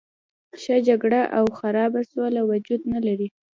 ښه جګړه او خرابه سوله وجود نه لري.